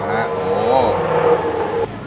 อ่าฮะโห